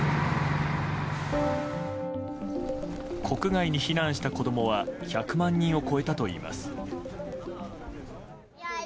国外に避難した子供は１００万人を超えたといいます。